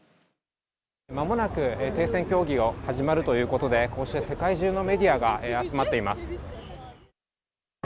まもなく停戦協議が始まるということで、こうして世界中のメディアが集まっています。